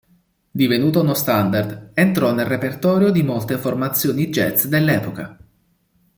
Divenuta uno standard, entrò nel repertorio di molte formazioni jazz dell'epoca.